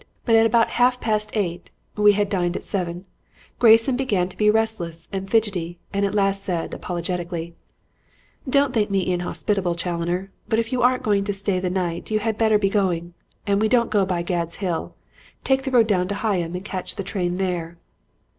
But at about half past eight we had dined at seven Grayson began to be restless and fidgetty and at last said apologetically: "'Don't think me inhospitable, Challoner, but if you aren't going to stay the night you had better be going. And don't go by Gad's Hill. Take the road down to Higham and catch the train there.'